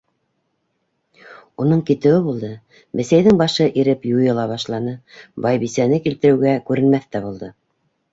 Уның китеүе булды, Бесәйҙең башы иреп юйыла башланы, Байбисәне килтереүгә күренмәҫ тә булды.